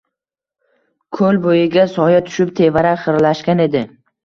koʼl boʼyiga soya tushib, tevarak xiralashgan edi.